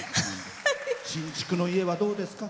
新築の家はどうですか？